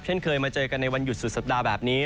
เช่นเคยมาเจอกันในวันหยุดสุดสัปดาห์แบบนี้